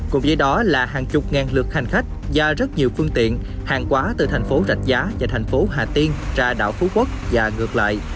cùng với đó là hàng chục ngàn lượt hành khách và rất nhiều phương tiện hàng quá từ thành phố rạch giá và thành phố hà tiên ra đảo phú quốc và ngược lại